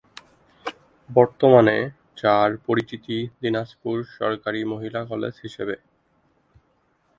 বর্তমানে যার পরিচিতি দিনাজপুর সরকারি মহিলা কলেজ হিসেবে।